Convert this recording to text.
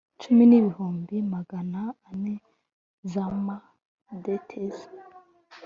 cumi n ibihumbi magana ane z amadetesi